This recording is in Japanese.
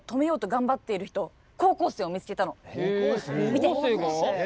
見て！